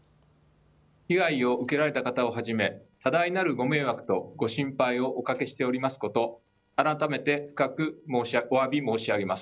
被害を受けられた方をはじめ多大なるご迷惑とご心配をおかけしておりますこと、改めておわび申し上げます。